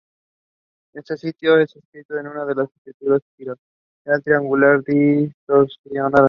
Este sitio es descrito como una estructura ‘piramidal trigonal distorsionada’.